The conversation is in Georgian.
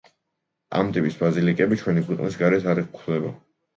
ამ ტიპის ბაზილიკები ჩვენი ქვეყნის გარეთ არ გვხვდება.